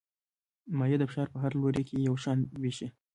مایع د فشار په هر لوري کې یو شان وېشي.